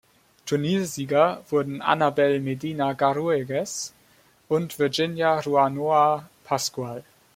Turniersieger wurden Anabel Medina Garrigues und Virginia Ruano Pascual.